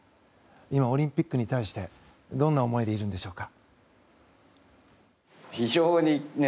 今、オリンピックに対してどんな思いでいるんでしょうか。